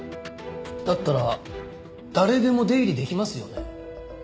だったら誰でも出入りできますよね。